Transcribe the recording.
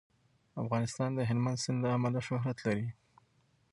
افغانستان د هلمند سیند له امله شهرت لري.